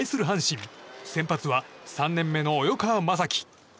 阪神先発は３年目の及川雅貴。